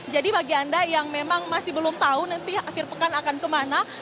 jadi bagi anda yang memang masih belum tahu nanti akhir pekan akan kemana